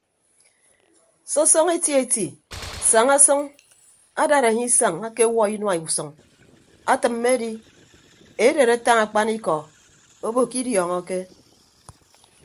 Sọsọñọ eti eti saña sʌñ adad anye isañ akewuo inua usʌñ atịmme edi edet atañ akpanikọ obo ke idiọñọke.